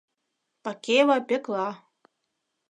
Пакеева Пӧкла...